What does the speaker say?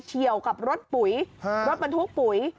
ี่ยวกับรถปุ๋ยรถบรรทุกปุ๋ย